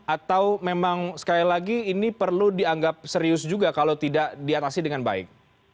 atau memang sekali lagi ini perlu dianggap serius juga kalau tidak diatasi dengan baik